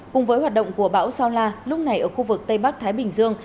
cùng với hoạt động của bão sao la lúc này ở khu vực tây bắc thái bình dương